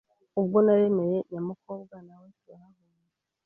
Ubwo naremeye nyamukobwa nawe turahahurira